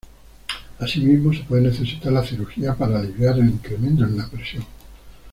Asimismo, se puede necesitar la cirugía para aliviar el incremento en la presión.